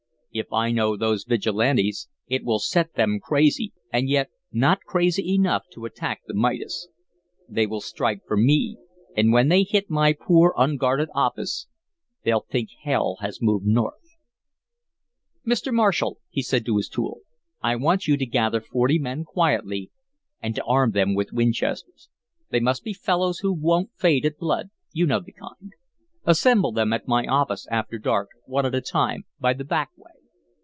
If I know those Vigilantes, it will set them crazy, and yet not crazy enough to attack the Midas. They will strike for me, and when they hit my poor, unguarded office, they'll think hell has moved North." "Mr. Marshal," said he to his tool, "I want you to gather forty men quietly and to arm them with Winchesters. They must be fellows who won't faint at blood you know the kind. Assemble them at my office after dark, one at a time, by the back way.